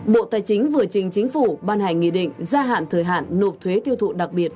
bộ tài chính vừa trình chính phủ ban hành nghị định gia hạn thời hạn nộp thuế tiêu thụ đặc biệt